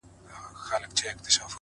زه درته مار سومه که ته راته ښاماره سوې